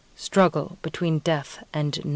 STRUGGLE BETWEEN DEATH AND LIFE.